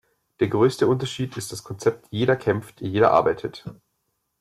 Der größte Unterschied ist das Konzept „jeder kämpft, jeder arbeitet“.